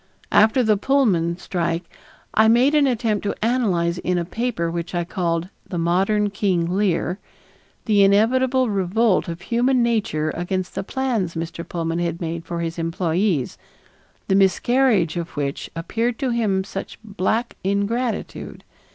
After the Pullman strike I made an attempt to analyze in a paper which I called The Modern King Lear the inevitable revolt of human nature against the plans Mr. Pullman had made for his employees, the miscarriage of which appeared to him such black ingratitude.